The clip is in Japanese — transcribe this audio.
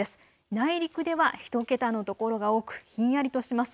内陸では１桁の所が多くひんやりとします。